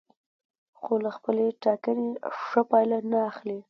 خو له خپلې ټاکنې ښه پایله نه اخلي.